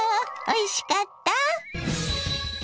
おいしかった？